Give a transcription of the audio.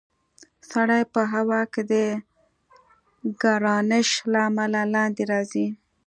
سړی په هوا کې د ګرانش له امله لاندې راځي.